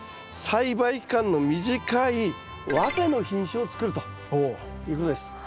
栽培期間の短い早生の品種を作るということです。